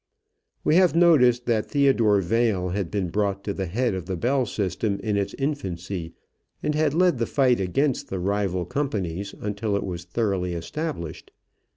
We have noticed that Theodore Vail had been brought to the head of the Bell system in its infancy and had led the fight against the rival companies until it was thoroughly established.